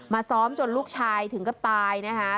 ซ้อมจนลูกชายถึงกับตายนะคะ